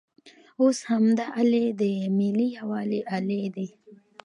اوس همدا الې د ملي یووالي الې ده.